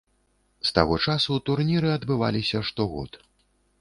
З таго часу турніры адбываліся штогод.